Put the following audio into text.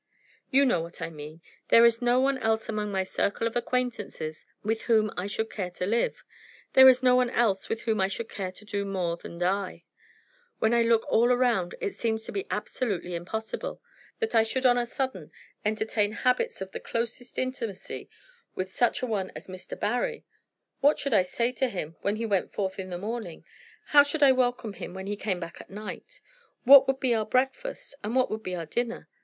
"You know what I mean. There is no one else among my circle of acquaintances with whom I should care to live. There is no one else with whom I should care to do more than die. When I look at it all round it seems to be absolutely impossible. That I should on a sudden entertain habits of the closest intimacy with such a one as Mr. Barry! What should I say to him when he went forth in the morning? How should I welcome him when he came back at night? What would be our breakfast, and what would be our dinner?